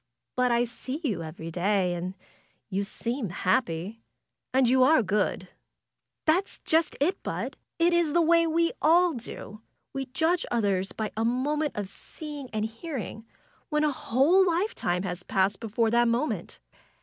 But I see you every day, and you seem happy. And you are good." That's just it. Bud! It is the way we all do. We judge others by a moment of seeing and hearing, when a whole life time has passed before that moment.